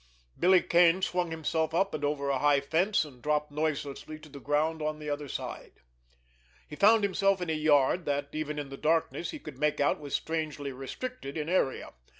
Billy Kane swung himself up and over a high fence, and dropped noiselessly to the ground on the other side. He found himself in a yard that, even in the darkness, he could make out was strangely restricted in area.